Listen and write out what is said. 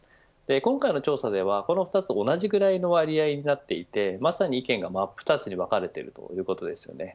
今回の調査では、この２つ同じぐらいの割合になっていてまさに意見が真っ二つに分かれているということです。